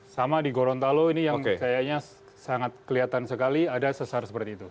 sama di gorontalo ini yang kayaknya sangat kelihatan sekali ada sesar seperti itu